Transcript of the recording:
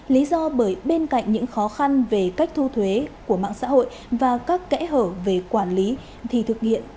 lý do bởi bên cạnh những khó khăn về cách thu thuế của mạng xã hội và các kẽ hở về quản lý thì thực hiện